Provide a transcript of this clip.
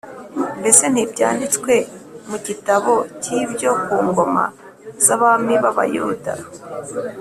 mbese ntibyanditswe mu gitabo cy’ibyo ku ngoma z’abami b’Abayuda?